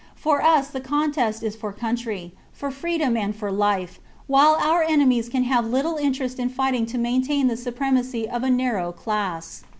For us the contest is for country, for freedom and for life, while our enemies can have little interest in fighting to main tain the supremacy of a narrow class.